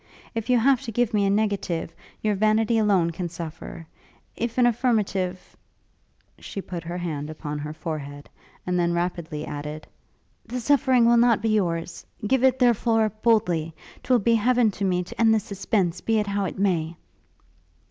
If you have to give me a negative, your vanity alone can suffer; if an affirmative ' She put her hand upon her forehead, and then rapidly added, 'the suffering will not be yours! give it, therefore, boldly! 'Twill be heaven to me to end this suspense, be it how it may!'